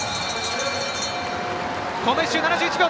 この１周、７１秒。